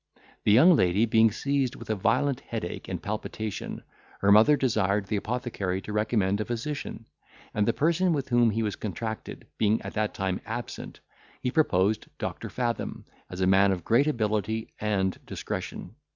The young lady being seized with a violent headache and palpitation, her mother desired the apothecary to recommend a physician; and the person with whom he was contracted being at that time absent, he proposed Doctor Fathom as a man of great ability and discretion.